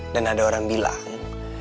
dan ada orang bilang